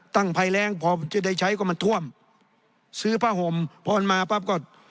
ภัยแรงพอจะได้ใช้ก็มันท่วมซื้อผ้าห่มพอมันมาปั๊บก็